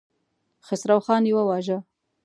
خسروخان يې وواژه.